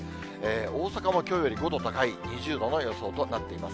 大阪もきょうより５度高い２０度の予想となっています。